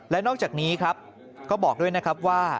และนอกจากนี้ครับก็บอกด้วยนะครับว่า